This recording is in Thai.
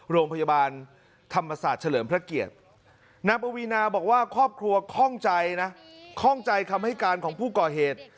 โรงพยาบาลธรรมศาสตร์เฉลิมพระเกียรตินางปวีนาบอกว่าครอบครัวคล่องใจนะข้องใจคำให้การของผู้ก่อเหตุ